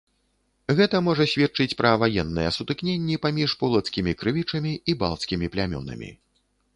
Гэта можа сведчыць пра ваенныя сутыкненні паміж полацкімі крывічамі і балцкімі плямёнамі.